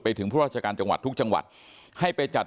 ไปท๗๐๐จังหวัดทุกจังหวัดให้ไปจัด